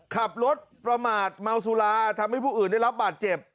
ขับรถประมาทเมาสุราทำให้ผู้อื่นได้รับบาดเจ็บ